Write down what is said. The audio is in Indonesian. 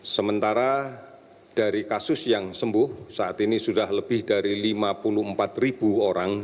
sementara dari kasus yang sembuh saat ini sudah lebih dari lima puluh empat ribu orang